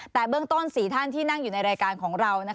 แต่เบื้องต้น๔ท่านที่นั่งอยู่ในรายการของเรา